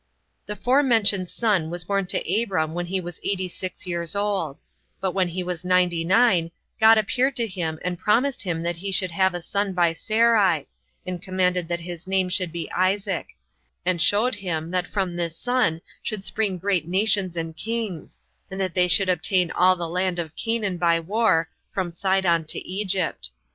5. The forementioned son was born to Abram when he was eighty six years old: but when he was ninety nine, God appeared to him, and promised him that he Should have a son by Sarai, and commanded that his name should be Isaac; and showed him, that from this son should spring great nations and kings, and that they should obtain all the land of Canaan by war, from Sidon to Egypt.